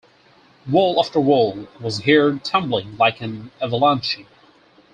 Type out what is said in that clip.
Wall after wall was heard tumbling like an avalanche.